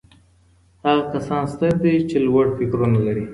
هغه کسان ستر دي چي لوړ فکرونه لري.